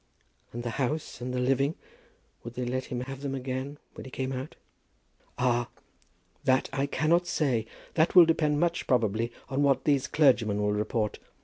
"And the house, and the living; would they let him have them again when he came out?" "Ah; that I cannot say. That will depend much, probably, on what these clergymen will report.